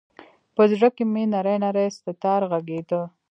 په زړه کې مــــــې نـــری نـــری ستار غـــــږیده